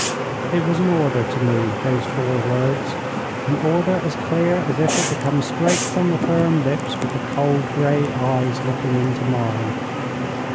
It was an order to me, those four words an order as clear as if it had come straight from the firm lips with the cold grey eyes looking into mine.